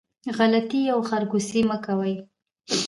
غلطي او خرکوسي مه کوئ